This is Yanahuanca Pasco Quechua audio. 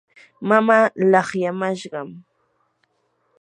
mamaa laqyamashqam.